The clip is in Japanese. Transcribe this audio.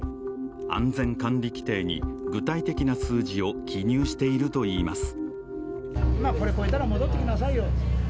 安全管理規程に具体的な数字を記入しているといいます。